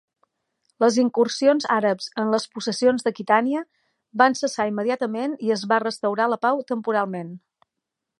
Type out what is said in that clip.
Les incursions àrabs en les possessions d'Aquitània van cessar immediatament i es va restaurar la pau temporalment.